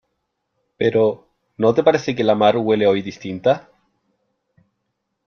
pero ¿ no te parece que la mar huele hoy distinta ?